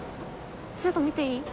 ちょっと見ていい？